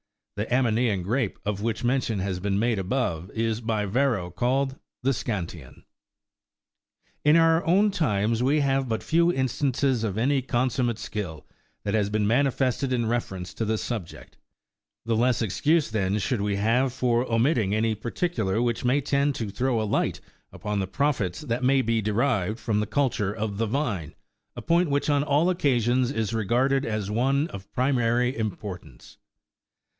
The Aminean grape, of which mention has been made above, is by Yarro called the " Seantian." In our own times we have but few instances of any consum mate skill that has been manifested in reference to this subject : the less excuse then should we have for omitting any particular which^ may tend to throw a light upon the profits that may be derived from the culture of the vine, a point which on all occasions is regarded as one of primary importance.